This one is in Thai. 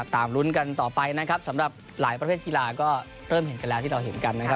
ลุ้นกันต่อไปนะครับสำหรับหลายประเภทกีฬาก็เริ่มเห็นกันแล้วที่เราเห็นกันนะครับ